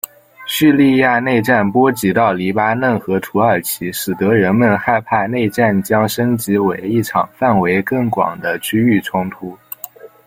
叙利亚内战波及到黎巴嫩和土耳其使得人们害怕内战将升级为一场范围更广的区域冲突。